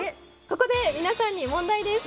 ここで皆さんに問題です。